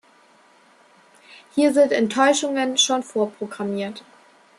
Hier sind Enttäuschungen schon vorprogrammiert.